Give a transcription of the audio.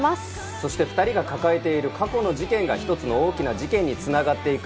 そして２人が抱えている過去の事件が１つの大きな事件に繋がっていく。